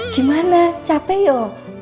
gimana capek yuk